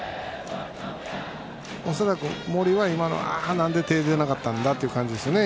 恐らく森は、ああなんで手が出なかったんだという感じですね。